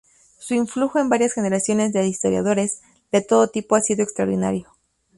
Su influjo en varias generaciones de historiadores de todo tipo ha sido extraordinario.